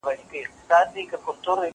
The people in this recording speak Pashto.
زه مخکي منډه وهلې وه،